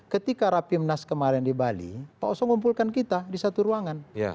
ketika rapimnas kemarin di bali pak oso ngumpulkan kita di satu ruangan